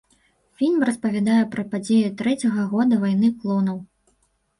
Фільм распавядае пра падзеі трэцяга года вайны клонаў.